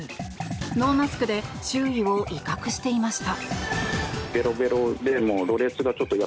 ノーマスクで周囲を威嚇していました。